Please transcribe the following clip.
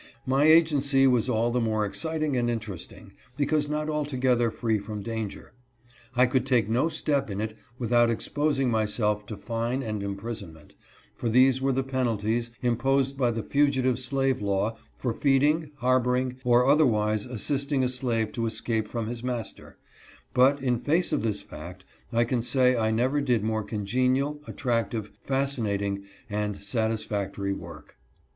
My agency was all the more exciting and interesting, because not altogether free from danger. I could take no step in it without exposing myself to fine and imprisonment, for these were the penalties imposed by the fugitive slave law for feeding, harboring, or otherwise assisting a slave to escape from his master ; but, in face of this fact, I can say I never did more congenial, attractive, fascinating, and satisfactory work.